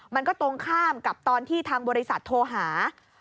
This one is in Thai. มันก็ตรงข้ามกับตอนที่ทางบริษัทโทรหา